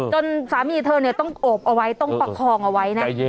จนสามีเธอเนี่ยต้องโอบเอาไว้ต้องประคองเอาไว้นะ